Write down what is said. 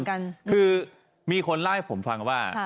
คือมีคนเล่าให้ผมฟังว่า